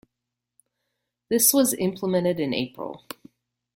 This was implemented in April.